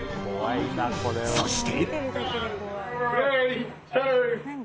そして。